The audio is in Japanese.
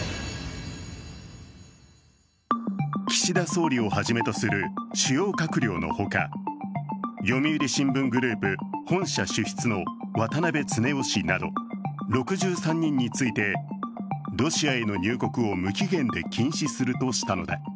岸田総理をはじめとする主要閣僚の他、読売新聞グループ本社主筆の渡邉恒雄氏など６３人についてロシアへの入国を無期限で禁止するとしたのだ。